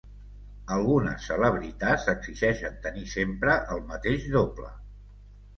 Algunes celebritats exigeixen tenir sempre el mateix doble.